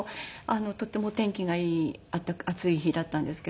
とってもお天気がいい暑い日だったんですけど。